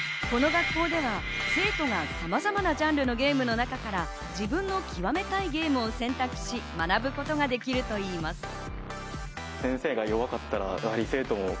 この学校では生徒がさまざまなジャンルのゲームの中から自分の極めたいゲームを選択し、学ぶことができるといいます。